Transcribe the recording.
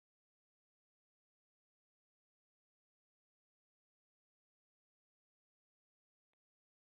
另类舞曲或独立舞曲是一种将各种摇滚风格与电子舞曲相混合的音乐风格。